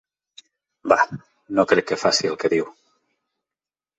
Bah, no crec que faci el que diu!